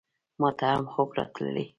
ماته هم خوب راتلی !